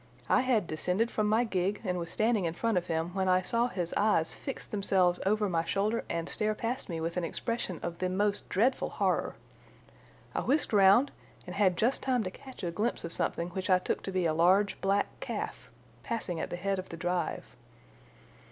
I had descended from my gig and was standing in front of him, when I saw his eyes fix themselves over my shoulder and stare past me with an expression of the most dreadful horror. I whisked round and had just time to catch a glimpse of something which I took to be a large black calf passing at the head of the drive.